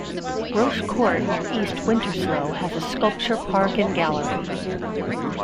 Roche Court near East Winterslow has a sculpture park and gallery.